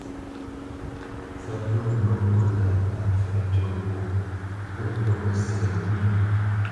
Zât pə̂ ndǔ mbot yâ a fɛ̌ tʉ́ ŋgwóʼ, ŋgê ntóŋə́ syâ nwē.